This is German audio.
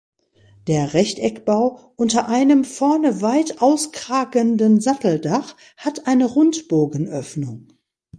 Der Rechteckbau unter einem vorne weit auskragenden Satteldach hat eine Rundbogenöffnung.